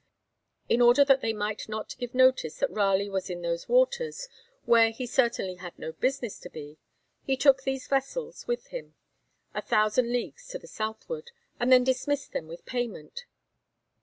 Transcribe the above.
In order that they might not give notice that Raleigh was in those waters, where he certainly had no business to be, he took these vessels with him a thousand leagues to the southward, and then dismissed them with payment.